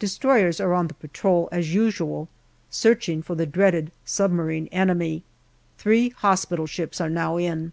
De stroyers are on the patrol, as usual, searching for the dreaded submarine enemy. Three hospital ships are now in.